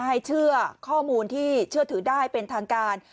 ให้เชื่อข้อมูลที่เชื่อถือได้เป็นทางการ